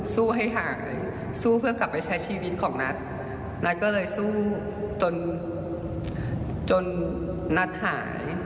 สู้ให้หายสู้เพื่อกลับไปใช้ชีวิตของนัทนัทก็เลยสู้จนจนนัทหาย